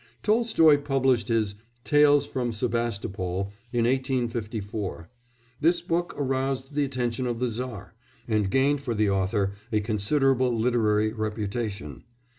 Tolstoy published his Tales from Sebastopol in 1854; this book aroused the attention of the Czar, and gained for the author a considerable literary reputation.